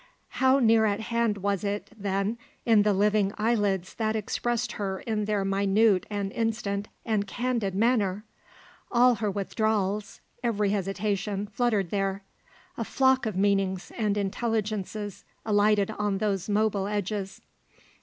How near at hand was it, then, in the living eyelids that expressed her in their minute and instant and candid manner! All her withdrawals, every hesitation, fluttered there. A flock of meanings and intelligences alighted on those mobile edges.